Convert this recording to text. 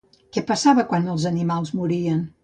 Què passava quan els animals morien?